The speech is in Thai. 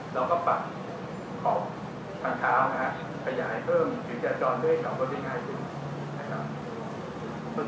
เราก็ปัดขอบพันเท้านะครับขยายเพิ่มถือแจ่จอดเลขเราก็ได้ง่ายสุดนะครับ